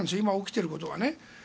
今起きていることはね。